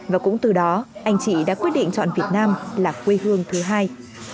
và cũng từ đó anh chị đã quyết định chọn việt nam là quê hương thứ hai